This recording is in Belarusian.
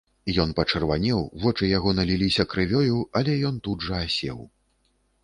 Ён пачырванеў, вочы яго наліліся крывёю, але ён тут жа асеў.